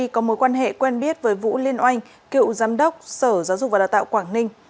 có mối quan hệ quen biết với vũ liên oanh cựu giám đốc sở giáo dục và đào tạo quảng ninh